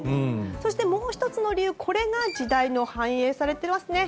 そしてもう１つの理由時代が反映されていますね。